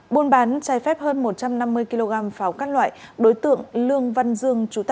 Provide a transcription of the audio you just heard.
buôn bán trái phép hơn một trăm năm mươi kg pháo các loại đối tượng lương văn dương